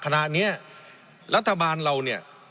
ขณะนี้รัฐบาลเราเนี่ย